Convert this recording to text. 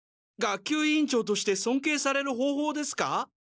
学級委員長としてそんけいされる方法ですか？